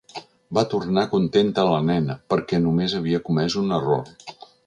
Va tornar contenta la nena, perquè només havia comès un error.